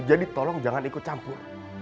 jadi tolong jangan ikut campur